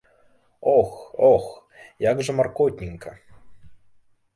Ох, ох, як жа маркотненька!